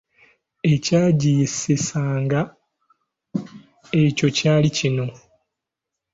Ekyagiyisisanga etyo kyali kino